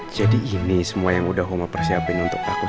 jadi ini semua yang udah oma persiapin untuk aku sama meika